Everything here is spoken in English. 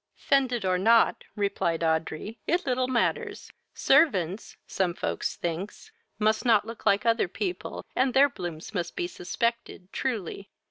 "Fended or not, (replied Audrey,) it little matters. Servants, some folks thinks, must not look like other people, and their blooms must be suspected truly.